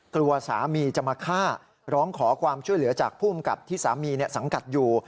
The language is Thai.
กลัวสามีจะมาฆ่าร้องขอความช่วยเหลือจากผู้อำกับที่สามีสังกัดอยู่